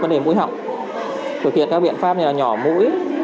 vấn đề mũi họng thực hiện các biện pháp như là nhỏ mũi